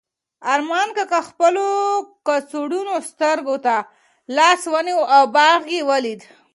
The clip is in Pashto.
ارمان کاکا خپلو کڅوړنو سترګو ته لاس ونیو او باغ یې ولید.